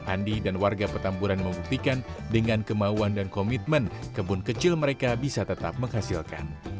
andi dan warga petamburan membuktikan dengan kemauan dan komitmen kebun kecil mereka bisa tetap menghasilkan